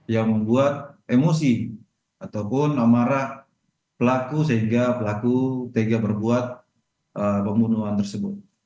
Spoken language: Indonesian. yang membuat emosi ataupun amarah pelaku sehingga pelaku tega berbuat pembunuhan tersebut